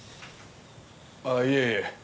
ああいえいえ。